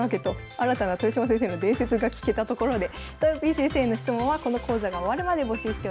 新たな豊島先生の伝説が聞けたところでとよぴー先生への質問はこの講座が終わるまで募集しております。